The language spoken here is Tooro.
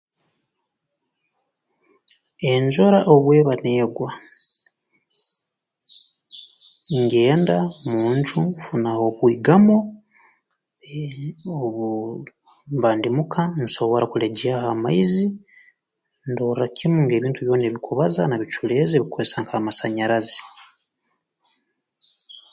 Enjura obu eba negwa ngenda omu nju nfuna h'okwigama eeh obu obu mba ndimuka nsobora kulegyaho amaizi ndorra kimu ngu ebintu byona ebikubaza nabiculeeza abikukozesa nk'amasanyarazi